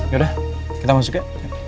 yaudah kita masuk ya